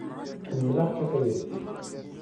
Ḥemmleɣ-k a tayri.